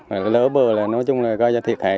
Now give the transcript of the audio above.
mà cái lỡ bờ là nói chung là gây ra thiệt hại